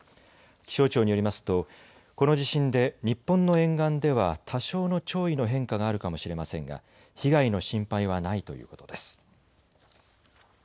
気象庁によりますと、この地震で日本の沿岸では多少の潮位の変化があるかもしれませんが被害の心配はないということです。